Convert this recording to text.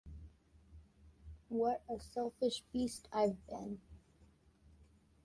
What a selfish beast I've been!